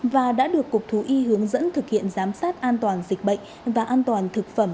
và đã được cục thú y hướng dẫn thực hiện giám sát an toàn dịch bệnh và an toàn thực phẩm